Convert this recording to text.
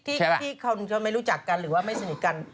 ที่เขาไม่รู้จักกันหรือว่าไม่สนิทกัน